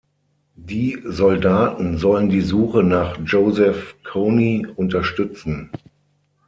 Die Soldaten sollen die Suche nach Joseph Kony unterstützen.